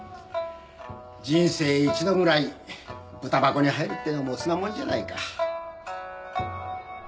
人生一度ぐらいブタ箱に入るっていうのも乙なもんじゃないか。